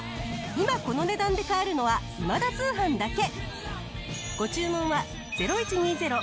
今この値段で買えるのは『今田通販』だけ。